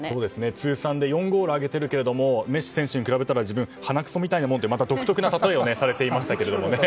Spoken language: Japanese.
通算で４ゴール挙げているけどメッシ選手に比べると自分はハナクソみたいなもんと独特なたとえをされていましたね。